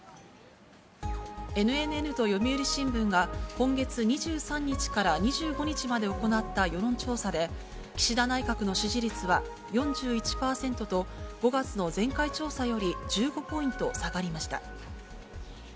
ＮＮＮと読売新聞が今月２３日から２５日まで行った世論調査で、岸田内閣の支持率は４１％と、５月の前回調査より１５ポイント下がりました。